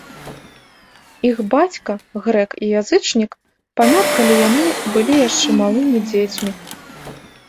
Іх бацька, грэк і язычнік, памёр калі яны былі яшчэ малымі дзецьмі.